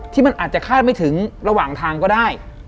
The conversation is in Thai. ที่มันอาจจะคาดไม่ถึงระหว่างทางก็ได้